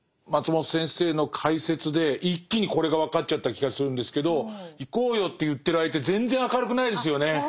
松本先生の解説で一気にこれが分かっちゃった気がするんですけどいこうよと言ってる相手全然明るくないですよね。